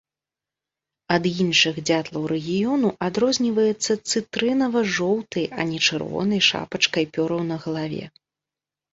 Ад іншых дзятлаў рэгіёну адрозніваецца цытрынава-жоўтай, а не чырвонай шапачкай пёраў на галаве.